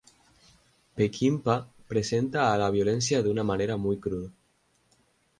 Peckinpah presenta a la violencia de una manera muy cruda.